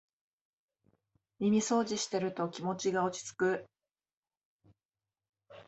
耳そうじしてると気持ちが落ちつく